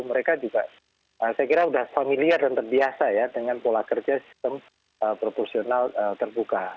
mereka juga saya kira sudah familiar dan terbiasa ya dengan pola kerja sistem proporsional terbuka